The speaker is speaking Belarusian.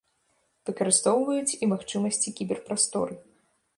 Выкарыстоўваюць і магчымасці кібер-прасторы.